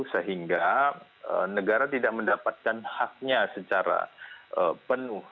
sehingga negara tidak mendapatkan haknya secara penuh